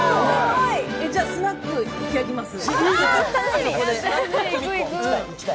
じゃあスナック開きます。